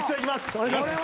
お願いします。